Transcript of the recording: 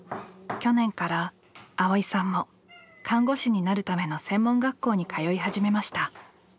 去年から蒼依さんも看護師になるための専門学校に通い始めました。